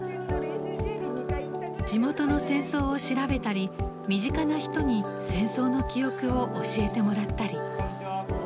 地元の戦争を調べたり身近な人に戦争の記憶を教えてもらったり。